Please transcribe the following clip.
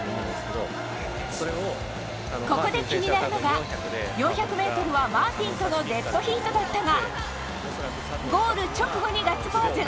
ここで気になるのが４００ｍはマーティンとのデッドヒートだったが、ゴール直後にガッツポーズ。